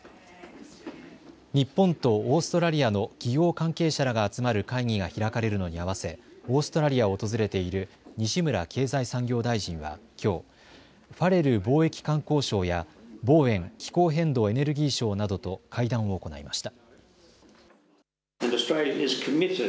日本とオーストラリアの企業関係者らが集まる会議が開かれるのに合わせオーストラリアを訪れている西村経済産業大臣はきょう、ファレル貿易・観光相やボーエン気候変動・エネルギー相などと会談を行いました。